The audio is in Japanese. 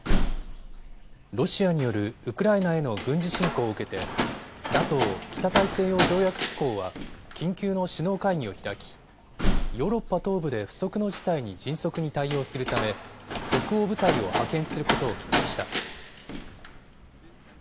ロシアによるウクライナへの軍事侵攻を受けてＮＡＴＯ・北大西洋条約機構は緊急の首脳会議を開きヨーロッパ東部で不測の事態に迅速に対応するため即応部隊を派遣することを決めました。